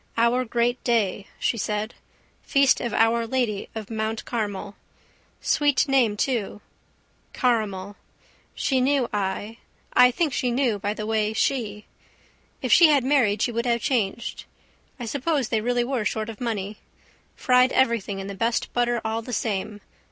Our great day, she said. Feast of Our Lady of Mount Carmel. Sweet name too: caramel. She knew I, I think she knew by the way she. If she had married she would have changed. I suppose they really were short of money. Fried everything in the best butter all the same.